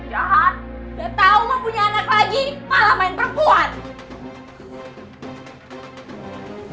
sampai dia tahu mau punya anak lagi malah main perempuan